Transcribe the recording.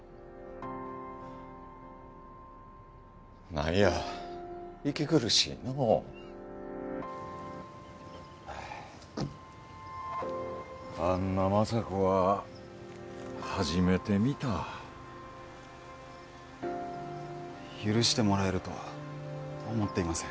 なんや息苦しいのうあんな昌子は初めて見た許してもらえるとは思っていません